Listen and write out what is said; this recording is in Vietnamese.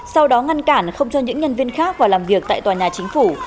sau đó ngăn cản không cho những nhân viên khác vào làm việc tại tòa nhà chính phủ